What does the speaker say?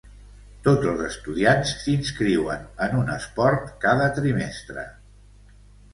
Tots els estudiants s'inscriuen en un esport cada trimestre.